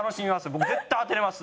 僕絶対当てれます。